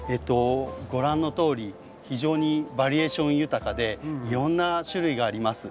ご覧のとおり非常にバリエーション豊かでいろんな種類があります。